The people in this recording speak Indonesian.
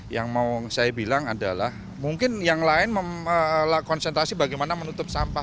yang mau saya bilang adalah mungkin yang lain konsentrasi bagaimana menutup sampah